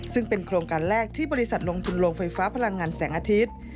ซึ่งเป็นโครงการแรกที่บริษัทลงทุนโรงไฟฟ้าพลังงานแสงอาทิตย์